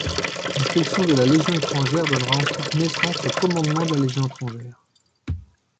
L'inspection de la Légion étrangère donnera ensuite naissance au Commandement de la Légion étrangère.